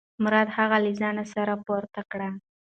مراد هغه له ځانه سره پورته کړ.